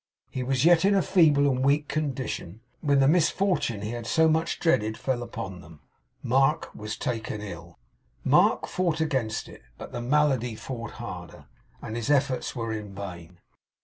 He was yet in a feeble and weak condition, when the misfourtune he had so much dreaded fell upon them. Mark was taken ill. Mark fought against it; but the malady fought harder, and his efforts were in vain.